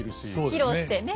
披露してね。